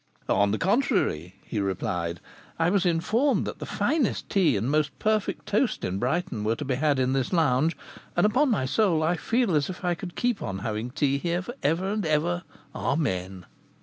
"On the contrary," he replied, "I was informed that the finest tea and the most perfect toast in Brighton were to be had in this lounge, and upon my soul I feel as if I could keep on having tea here for ever and ever amen!"